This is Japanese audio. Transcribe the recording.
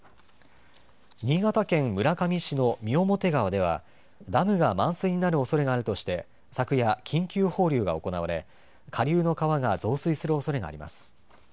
新潟県村上市の三面川ではダムが満水になるおそれがあるとして昨夜、緊急放流が行われ下流の川が増水するおそれがあります。